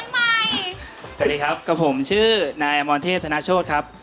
สวัสดีครับชื่อนายอมรเทพธนาชโชธครับ